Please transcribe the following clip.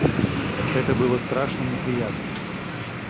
Это было страшно неприятно.